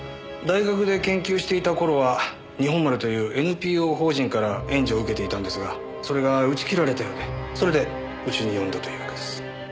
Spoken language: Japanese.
大学で研究していた頃は日本丸というＮＰＯ法人から援助を受けていたんですがそれが打ち切られたようでそれでうちに呼んだというわけです。